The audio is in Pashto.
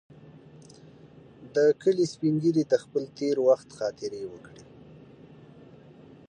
د کلي سپین ږیري د خپل تېر وخت خاطرې وکړې.